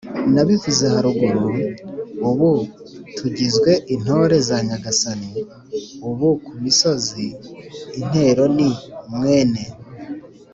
nabivuze haruguru. ubu tugizwe intore za nyagasani. ubu ku misozi intero ni « mwene